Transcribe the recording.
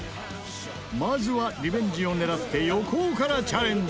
まずはリベンジを狙って横尾からチャレンジ